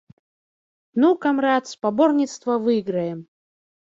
Ну, камрад, спаборніцтва выйграем.